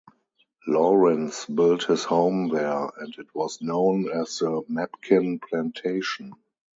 Laurens built his home there, and it was known as the Mepkin Plantation.